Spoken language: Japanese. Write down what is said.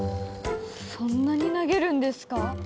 そんなになげるんですか？